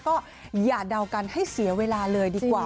ก็อย่าเดากันให้เสียเวลาเลยดีกว่า